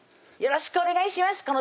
よろしくお願いします！